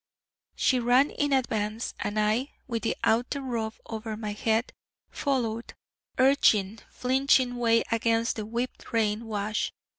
She ran in advance, and I, with the outer robe over my head, followed, urging flinching way against the whipped rain wash.